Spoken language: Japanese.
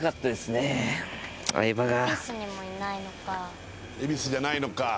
恵比寿じゃないのか。